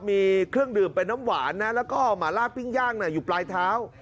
มีเครื่องดื่มเป็นน้ำหวานนะแล้วก็หมาลาดปิ้งย่างอยู่ปลายเท้า